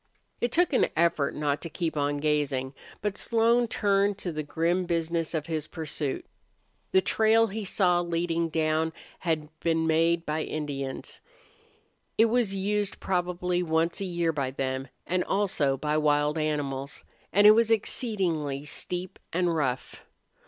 It took an effort not to keep on gazing. But Slone turned to the grim business of his pursuit. The trail he saw leading down had been made by Indians. It was used probably once a year by them; and also by wild animals, and it was exceedingly steep and rough.